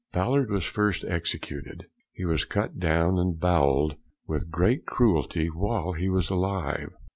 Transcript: Ballard was first executed. He was cut down and bowell'd with great cruelty while he was alive.